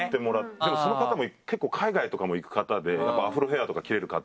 でもその方も結構海外とかも行く方でアフロヘアとか切れる方なんで。